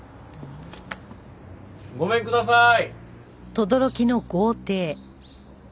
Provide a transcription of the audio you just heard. ごめんください！